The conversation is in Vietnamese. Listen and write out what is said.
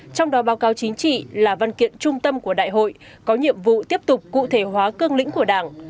trong đó báo cáo chính trị là văn kiện trung tâm của đại hội có nhiệm vụ tiếp tục cụ thể hóa cương lĩnh của đảng